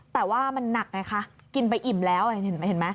แต่ว่ามันหนักไงคะกินไปอิ่มแล้วเห็นไหม